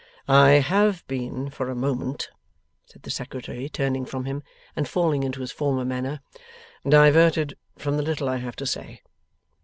'I have been for a moment,' said the Secretary, turning from him and falling into his former manner, 'diverted from the little I have to say.